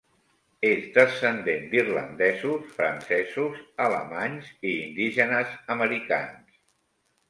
És descendent d'irlandesos, francesos, alemanys i indígenes americans.